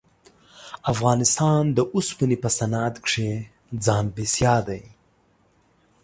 افغانستان د اوسپنې په صنعت کښې ځان بسیا دی.